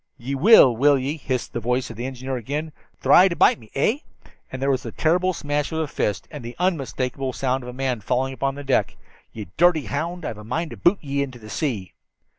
"Ye will, will ye?" hissed the voice of the engineer again. "Thry to bite me, eh?" and there was the terrible smash of a fist, and the unmistakable sound of a man falling upon the deck. "Ye dirty hound, I've a mind to boot ye into the sea."